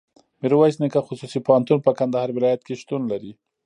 ميرویس نيکه خصوصي پوهنتون په کندهار ولایت کي شتون لري.